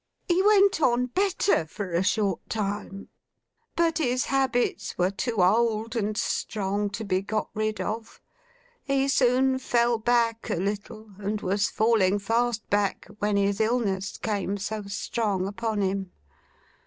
'He went on better for a short time; but, his habits were too old and strong to be got rid of; he soon fell back a little; and was falling fast back, when his illness came so strong upon him.